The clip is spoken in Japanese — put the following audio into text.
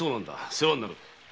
世話になるぞ。